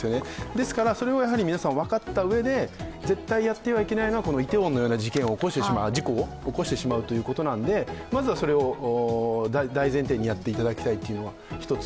ですから、それをやはり皆さん分かったうえで絶対やってはいけないことはイテウォンのような事故を起こしてしまうということなんで、まずはそれを大前提にやっていただきたいというのが１つ。